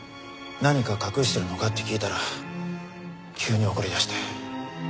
何か隠してるのかって聞いたら急に怒りだして。